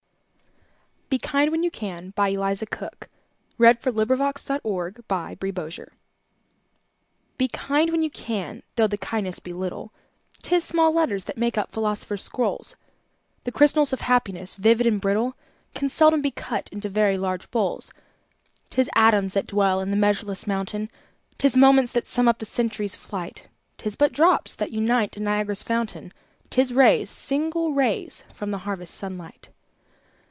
Can by Eliza Cooksister projects: Wikidata item. 146033Be Kind When You CanEliza Cook Be kind when you can, though the kindness be little, 'Tis small letters make up philosophers' scrolls; The crystal of Happiness, vivid and brittle, Can seldom be cut into very large bowls. 'Tis atoms that dwell in the measureless mountain, 'Tis moments that sum up the century's flight; 'Tis but drops that unite in Niagara's fountain, 'Tis rays, single rays, from the harvest sun light.